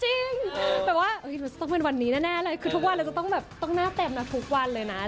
แบบว่าเราจะต้องเป็นวันนี้แน่เลยคือทุกวันเราจะต้องแบบต้องหน้าเต็มนะทุกวันเลยนะ